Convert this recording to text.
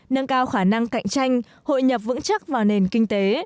nâng cao khả năng cạnh tranh hội nhập vững chắc vào nền kinh tế